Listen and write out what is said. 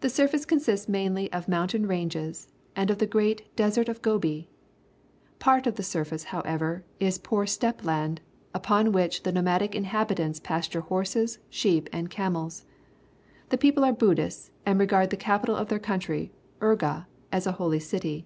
The surface consists mainly of mountain ranges and the great _£)eser< of G obi. Part of the surface, however, is poor steppe land, upon which the nomadic inhabitants pas ture hor ses, sheep, and camels. The people are Buddhists and regard the capital of their country, I j'ga, as a holy city.